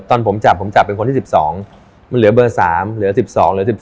ตอนผมจับผมจับเป็นคนที่๑๒มันเหลือเบอร์๓เหลือ๑๒เหลือ๑๒